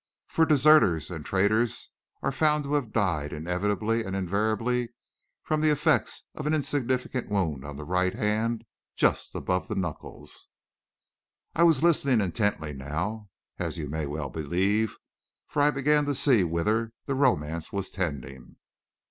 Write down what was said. For deserters and traitors are found to have died, inevitably and invariably, from the effects of an insignificant wound on the right hand, just above the knuckles." I was listening intently now, as you may well believe, for I began to see whither the romance was tending.